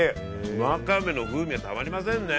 ワカメの風味がたまりませんね。